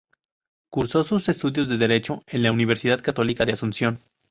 Cursó sus estudios de derecho en la Universidad Católica de Asunción.